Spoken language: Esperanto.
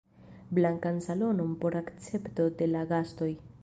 Blankan salonon por akcepto de la gastoj.